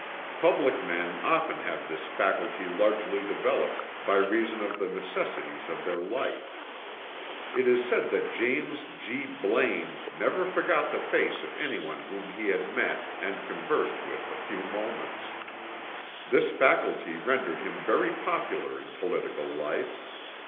Public men often have this faculty largely developed by reason of the necessities of their life. It is said that James G. Blaine never forgot the face of anyone whom he had met and conversed with a few moments. This faculty rendered him very popular in political life.